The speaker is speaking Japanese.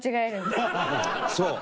そう！